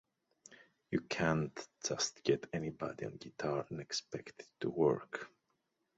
You can't just get anybody on guitar and expect it to work.